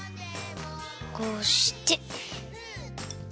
こうして。